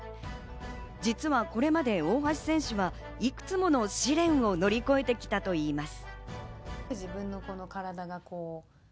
実はこれまで大橋選手はいくつもの試練を乗り越えてきたといいます。